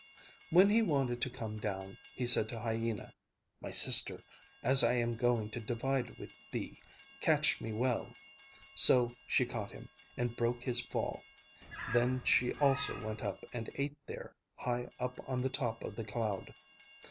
When he wanted to come down, he said to Hyena, "My sister, as I am going to divide with thee, catch me well." So she caught him, and broke his fall. Then she also went up and ate there, high up on the top of the cloud.